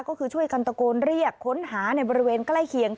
ก็คือช่วยกันตะโกนเรียกค้นหาในบริเวณใกล้เคียง